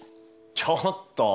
ちょっと！